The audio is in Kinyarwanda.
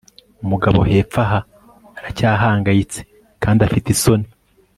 umugabo hepfo aha, aracyahangayitse kandi afite isoni